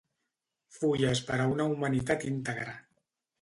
Fulles per a una humanitat íntegra.